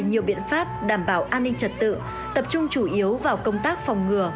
nhiều biện pháp đảm bảo an ninh trật tự tập trung chủ yếu vào công tác phòng ngừa